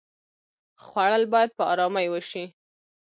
خوړل باید په آرامۍ وشي